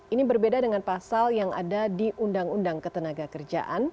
ini berbeda dengan pasal yang ada di undang undang ketenaga kerjaan